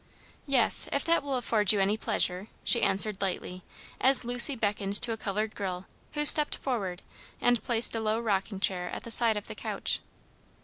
"Yes, if that will afford you any pleasure," she answered lightly, as Lucy beckoned to a colored girl, who stepped forward and placed a low rocking chair at the side of the couch.